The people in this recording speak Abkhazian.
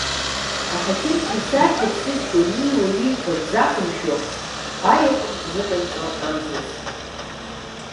Аҳақьымцәа исарҳәеит сыҷкәын ииуа-ииҳәо дзақәымшәо, аиакәым зыҟаиҵо амзыз.